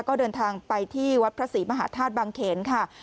ก็เดินทางไปที่วัดพระศรีมหาธาตุบางเขนค่ะ